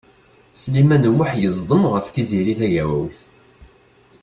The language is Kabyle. Sliman U Muḥ yeẓdem ɣef Tiziri Tagawawt.